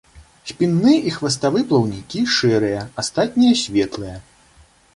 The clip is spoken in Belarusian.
Спінны і хваставы плаўнікі шэрыя, астатнія светлыя.